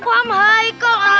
kau sama hai kok